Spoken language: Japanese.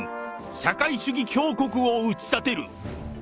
社会主義強国を打ち立てる。